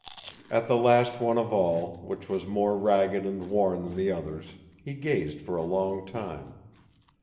At the last one of all, which was more ragged and worn than the others, he gazed for a long time.